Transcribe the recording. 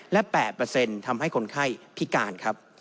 และ๘ทำให้คนไข้พิการครับ